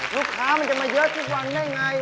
ลูกค้ามันจะมีเยอะอีกวันได้ไง